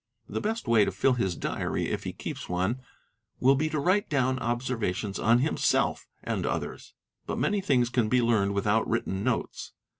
The best way to fill his diary, if he keeps one, will be to write down observations on himself and ners But many things can be learned without written notes.